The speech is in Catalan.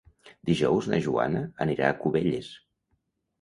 Dijous na Joana anirà a Cubelles.